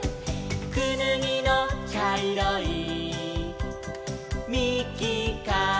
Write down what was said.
「くぬぎのちゃいろいみきからは」